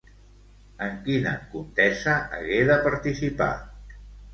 En quina contesa hagué de participar?